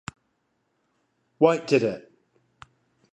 White Did It.